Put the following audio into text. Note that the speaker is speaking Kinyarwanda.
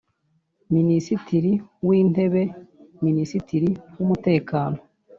Minisitiri w intebe minisitiri w umutekano